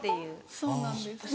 そうなんです。